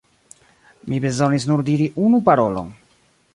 Mi bezonis nur diri unu parolon.